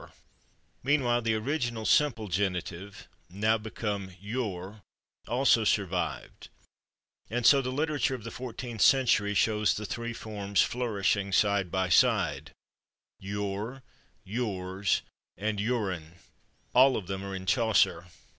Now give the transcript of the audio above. Meanwhile, the original simple genitive, now become /youre/, also survived, and so the literature of [Pg214] the fourteenth century shows the three forms flourishing side by side: /youre/, /youres/ and /youren/. All of them are in Chaucer.